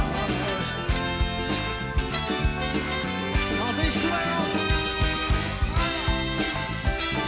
風邪ひくなよ！